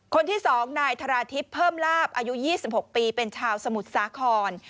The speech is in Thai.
คนที่๒นายธาราทิพย์เพิ่มลาบอายุ๒๖ปีเป็นชาวสมุทรสาคร